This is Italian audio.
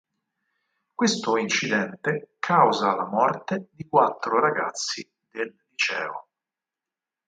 Questo incidente causa la morte di quattro ragazzi del liceo.